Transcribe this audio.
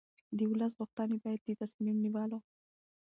د ولس غوښتنې باید د تصمیم نیولو